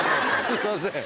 すいません。